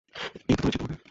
এইতো ধরেছি তোমাকে।